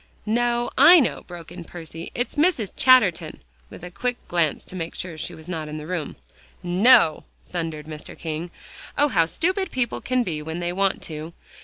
"No, I know," broke in Percy, "it's Mrs. Chatterton," with a quick glance to make sure that she was not in the room. "NO!" thundered Mr. King. "Oh! how stupid people can be when they want to.